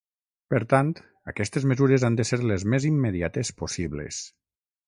Per tant, aquestes mesures han de ser les més immediates possibles.